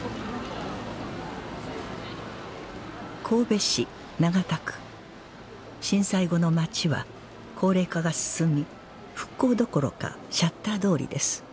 神戸市長田区震災後の町は高齢化が進み復興どころかシャッター通りです